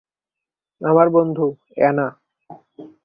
আমার বন্ধু, অ্যানা।